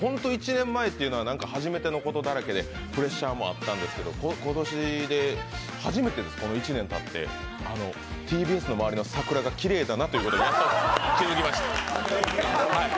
早かったですよね、１年前というのは初めてのことだらけでプレッシャーもあったんですけど、今年で初めてです、この１年たってＴＢＳの周りの桜がきれいだなということに、やっと気付きました。